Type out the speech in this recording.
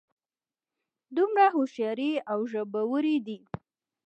دومره هوښیارې او ژبورې دي.